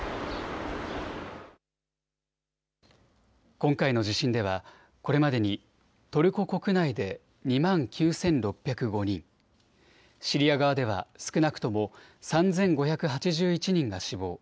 今回の地震ではこれまでにトルコ国内で２万９６０５人、シリア側では少なくとも３５８１人が死亡。